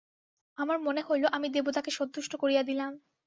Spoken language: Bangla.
আমার মনে হইল, আমি দেবতাকে সন্তুষ্ট করিয়া দিলাম।